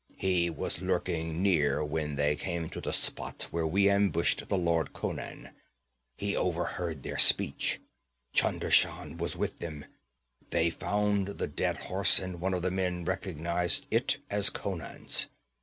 'He was lurking near when they came to the spot where we ambushed the lord Conan. He overheard their speech. Chunder Shan was with them. They found the dead horse, and one of the men recognized it as Conan's.